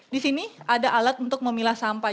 disini ada alat untuk memilah sampah